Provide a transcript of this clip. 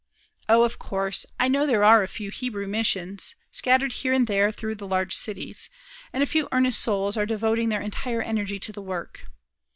O, of course, I know there are a few Hebrew missions, scattered here and there through the large cities, and a few earnest souls are devoting their entire energy to the work.